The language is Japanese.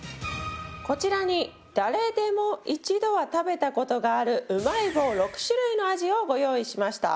こちらに誰でも一度は食べた事があるうまい棒６種類の味をご用意しました。